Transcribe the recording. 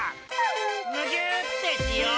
むぎゅーってしよう！